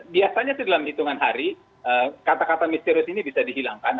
biasanya sih dalam hitungan hari kata kata misterius ini bisa dihilangkan